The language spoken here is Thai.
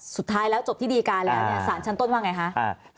สุดท้ายแล้วจบที่ดีการแล้วสารชั้นต้นว่าอย่างไรคะ